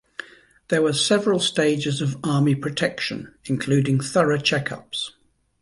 There were several stages of army protection including thorough checkups.